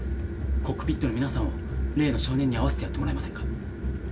コックピットの皆さんを例の少年に会わせてやってもらえませんか？